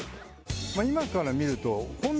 今から見ると。